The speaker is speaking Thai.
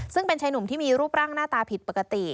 ซึ่งเป็นชายหนุ่มที่มีรูปร่างหน้าตาผิดปกติ